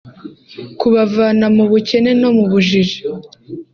kubavana mu bukene no mu bujiji